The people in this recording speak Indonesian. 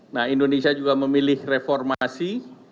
nah indonesia juga memilih reformasi